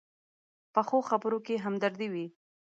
پخو خبرو کې همدردي وي